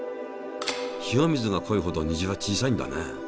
塩水が濃いほど虹は小さいんだね。